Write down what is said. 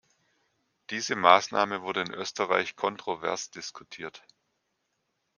Diese Maßnahme wurde in Österreich kontrovers diskutiert.